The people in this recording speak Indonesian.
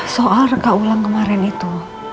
soal reka ulang kemarin itu